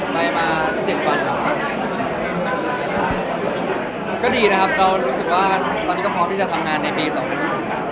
มา๗วันครับก็ดีนะครับเรารู้สึกว่าตอนนี้ก็พร้อมที่จะทำงานในปี๒๐๒๐ครับ